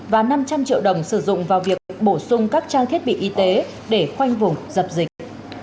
và năm trăm linh triệu đồng sử dụng vào việc bổ sung các trang thiết bị y tế để khoanh vùng dập dịch